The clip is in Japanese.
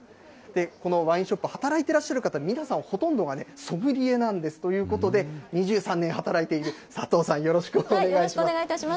このワインショップ、働いてらっしゃる方、皆さん、ほとんどがソムリエなんです。ということで、２３年働いているよろしくお願いいたします。